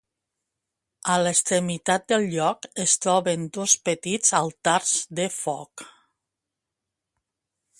A l'extremitat del lloc es troben dos petits altars de foc.